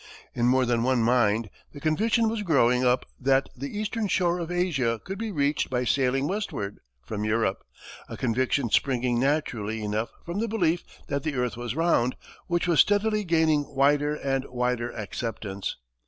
In more than one mind the conviction was growing up that the eastern shore of Asia could be reached by sailing westward from Europe a conviction springing naturally enough from the belief that the earth was round, which was steadily gaining wider and wider acceptance.